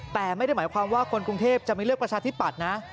แต่ไม่ได้หมายความว่าคนกรุงเทพจะไม่เลือกประชาธิปัตย์นะ